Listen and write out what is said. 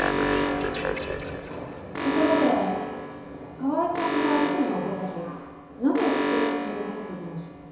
ところで川井さんは事件が起こった日なぜ教室に残っていたんでしょう？